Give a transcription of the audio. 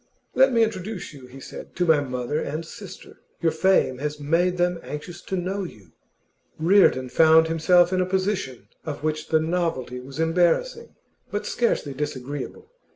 'Let me introduce you,' he said, 'to my mother and sister. Your fame has made them anxious to know you.' Reardon found himself in a position of which the novelty was embarrassing, but scarcely disagreeable.